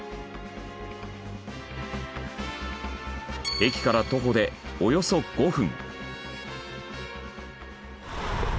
駅から徒歩でおよそ５分。